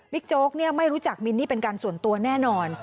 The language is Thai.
โจ๊กไม่รู้จักมินนี่เป็นการส่วนตัวแน่นอน